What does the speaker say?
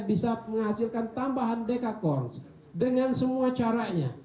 bisa menghasilkan tambahan dekakors dengan semua caranya